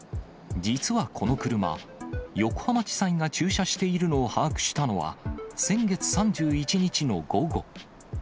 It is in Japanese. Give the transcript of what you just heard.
実はこの車、横浜地裁が駐車しているのを把握したのは、先月３１日の午後。